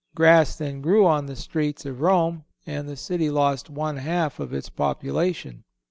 Grass then grew on the streets of Rome, and the city lost one half of its population.